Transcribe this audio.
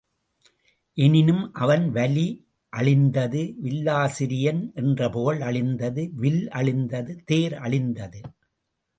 எனினும் அவன் வலி அழிந்தது வில்லாசிரியன் என்ற புகழ் அழிந்தது வில் அழிந்தது தேர் அழிந்தது.